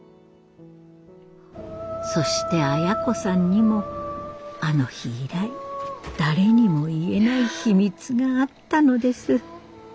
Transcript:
そして亜哉子さんにもあの日以来誰にも言えない秘密があったのです。